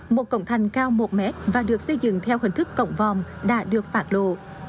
một cổng thành cao một mét và được xây dựng theo hình thức cổng vòm đã được phát lộ